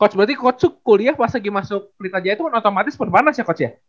coach berarti coach kuliah pas lagi masuk pelita jaya itu kan otomatis berpanas ya coach ya